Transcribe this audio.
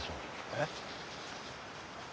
えっ。